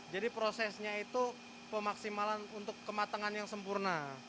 jadi prosesnya itu pemaksimalan untuk kematangan yang sempurna